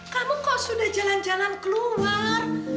kamu kok sudah jalan jalan keluar